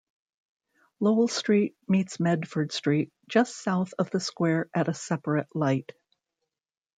Lowell Street meets Medford Street just south of the square at a separate light.